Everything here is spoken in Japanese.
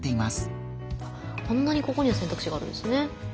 こんなにここには選択肢があるんですね。